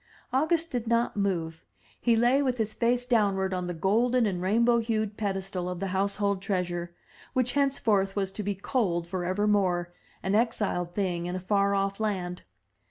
August did not move; he lay with his face downward on the golden and rainbow hued pedestal of the household treasure, which henceforth was to be cold for evermore, an exiled thing in a far off land.